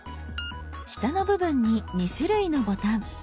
下の部分に２種類のボタン。